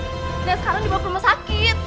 nah sekarang di bawah rumah sakit